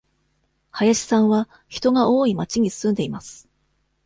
林さんは人が多い町に住んでいます。